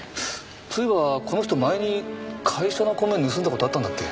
そういえばこの人前に会社の米盗んだ事あったんだっけ？